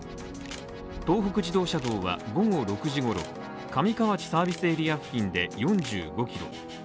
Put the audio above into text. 東北自動車道は午後６時ごろ上河内サービスエリア付近で４５キロ。